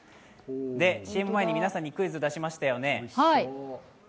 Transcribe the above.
ＣＭ前に皆さんにクイズを出しましたよね。